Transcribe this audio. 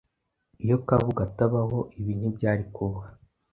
iyo Kabuga atabaho ibi ntibyari kuba